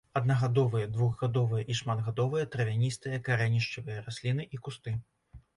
Аднагадовыя, двухгадовыя і шматгадовыя травяністыя карэнішчавыя расліны і кусты.